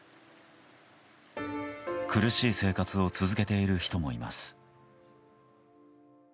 苦しい生活を続けている人もいます。